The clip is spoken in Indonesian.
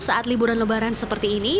saat liburan lebaran seperti ini